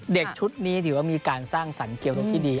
เด็กชุดนี้ถือว่ามีการสร้างสรรค์เกี่ยวรุกที่ดี